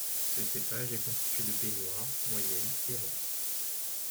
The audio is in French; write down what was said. Ce cépage est constitué de baies noires, moyennes et rondes.